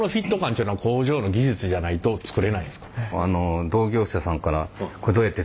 っちゅうのは工場の技術じゃないと作れないんですか？